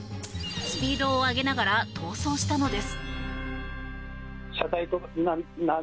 スピードを上げながら逃走したのです。